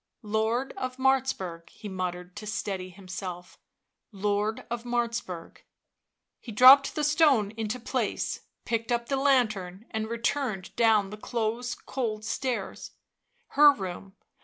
u Lord of Martzburg," he muttered to steady him self; " Lord of Martzburg." He dropped the stone into place, picked up the lantern and returned down the close, cold stairs. Her room